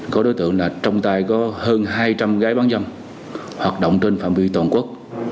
có đối tượng là trong tay có hơn hai trăm linh gái bán dâm hoạt động trên phạm vi toàn quốc